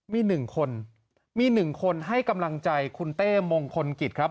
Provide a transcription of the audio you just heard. มีหนึ่งคนมีหนึ่งคนให้กำลังใจคุณเต้มงคลกิจครับ